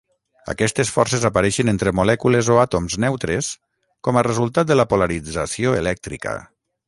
Aquestes forces apareixen entre molècules o àtoms neutres com a resultat de la polarització elèctrica.